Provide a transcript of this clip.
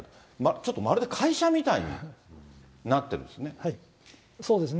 ちょっとまるで会社みたいになってるんですね。